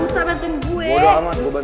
gue udah amat gue bantuin